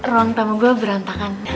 ruang tamu gue berantakan